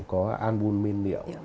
có albumin niệu